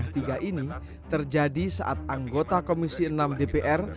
tiga ini terjadi saat anggota komisi enam dpr